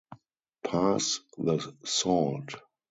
Pass the salt.